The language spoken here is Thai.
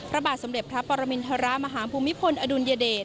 ระบาดสำเร็จพระปรมินธรส์มหาภูมิพลอดุลยเดช